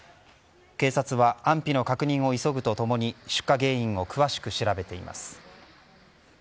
警察は安否の確認を急ぐとともに出火原因を詳しく調べています。